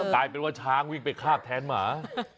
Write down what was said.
กลายเป็นว่าช้างวิ่งไปคาบแทนหมา